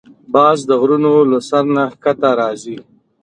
باز د غرونو له سر نه ښکته راځي